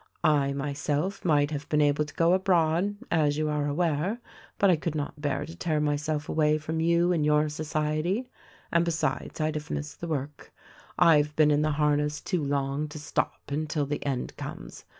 I myself, might have been able to go abroad, as you are aware ; but I could not bear to tear myself away from you and your society — and, besides, I'd have missed the work. I've been in the harness too long to stop until the end comes.